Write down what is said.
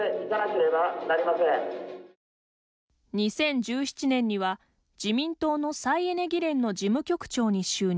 ２０１７年には、自民党の再エネ議連の事務局長に就任。